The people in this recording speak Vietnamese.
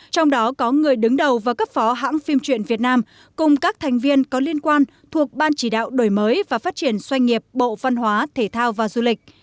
trong đó có người đứng đầu và cấp phó hãng phim truyện việt nam cùng các thành viên có liên quan thuộc ban chỉ đạo đổi mới và phát triển xoay nghiệp bộ văn hóa thể thao và du lịch